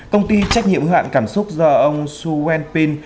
công ty trách nhiệm hữu hạn cảm xúc do ông xu wenping